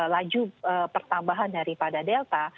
laju pertambahan daripada delta